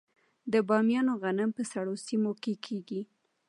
د بامیان غنم په سړو سیمو کې کیږي.